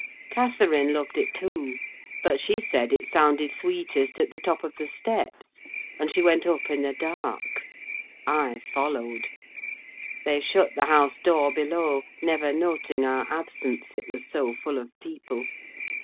Catherine loved it too: but she said it sounded sweetest at the top of the steps, and she went up in the dark: I followed. They shut the house door below, never noting our absence, it was so full of people.